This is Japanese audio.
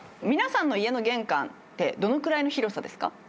皆さんの家の玄関ってどのくらいの広さですか？